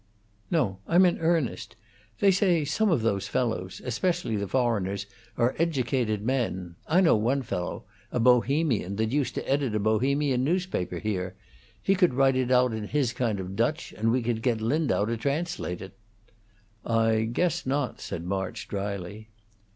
"No; I'm in earnest. They say some of those fellows especially the foreigners are educated men. I know one fellow a Bohemian that used to edit a Bohemian newspaper here. He could write it out in his kind of Dutch, and we could get Lindau to translate it." "I guess not," said March, dryly.